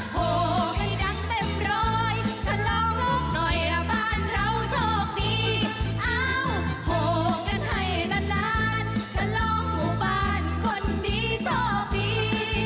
โหให้ดังเต็มรอยสลองส่งหน่อยละบ้านเราโชคดี